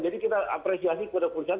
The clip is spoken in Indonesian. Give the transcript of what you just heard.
jadi kita apresiasi kepada kepolisian